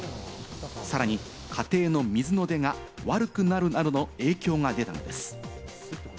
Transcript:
さらに家庭の水の出が悪くなるなどの影響が出たのです。